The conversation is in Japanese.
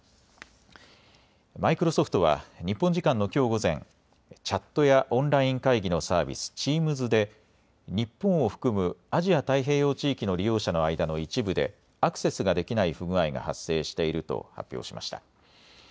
マイクロソフトは日本時間のきょう午前、チャットやオンライン会議のサービス、チームズで日本を含むアジア太平洋地域の利用者の間の一部でアクセスができない不具合が発生していると発表しました。